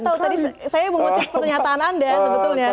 gak tau tadi saya memutuskan pernyataan anda sebetulnya